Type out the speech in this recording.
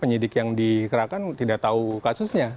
penyidik yang dikerahkan tidak tahu kasusnya